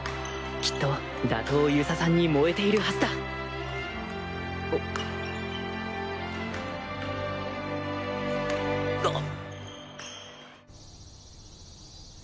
きっと打倒遊佐さんに燃えているはずだあっ！